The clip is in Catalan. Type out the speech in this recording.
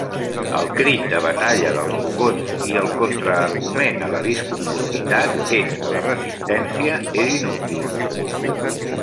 El crit de batalla dels Vogons, i el contraargument a la disconformitat, és que la resistència és inútil!